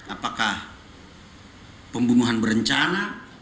apakah pembunuhan berencana